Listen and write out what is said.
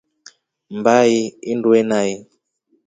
Mmbahii indungue nai.